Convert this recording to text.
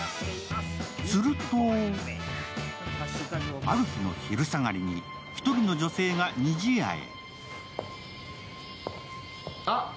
すると、ある日の昼下がりに一人の女性がにじやへ。